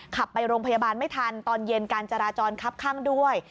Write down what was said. ขับไปโรงพยาบาลไม่ทันตอนเย็นการจราจรคับข้างด้วย